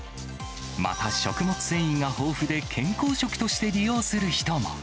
また食物繊維が豊富で、健康食として利用する人も。